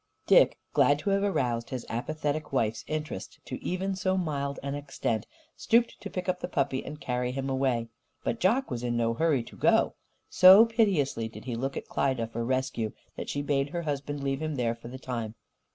Dick, glad to have aroused his apathetic wife's interest to even so mild an extent, stooped to pick up the puppy and carry him away. But Jock was in no hurry to go. So piteously did he look to Klyda for rescue that she bade her husband leave him there for the time.